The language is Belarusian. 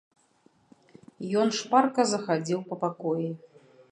Ён шпарка захадзіў па пакоі.